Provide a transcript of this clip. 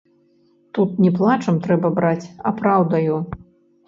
Тут не плачам трэба браць, а праўдаю.